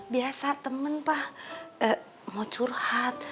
biasa temen pah mau curhat